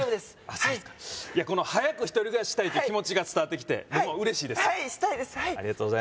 そうですか早く１人暮らししたいって気持ちが伝わってきて僕も嬉しいですはいしたいです